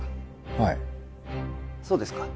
はいそうですか